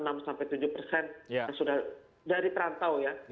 dari perantau ya